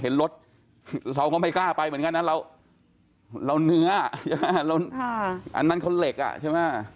เห็นรถเราก็ไม่กล้าไปเหมือนกันนะเราเนื้ออันนั้นเขาเหล็กอ่ะใช่ไหม